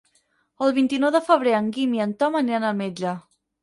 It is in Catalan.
El vint-i-nou de febrer en Guim i en Tom aniran al metge.